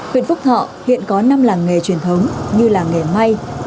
huyện phúc thọ hiện có năm làng nghề truyền thống như làng nghề may